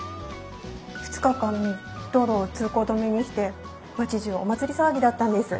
２日間道路を通行止めにして町じゅうお祭り騒ぎだったんです。